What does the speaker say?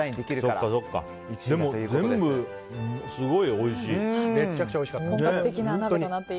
でも、全部すごいおいしい。